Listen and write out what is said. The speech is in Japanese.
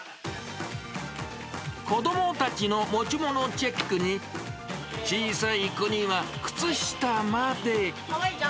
子どもたちの持ち物チェックに、小さい子には、靴下まで。